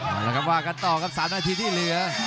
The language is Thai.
เอาละครับว่ากันต่อครับ๓นาทีที่เหลือ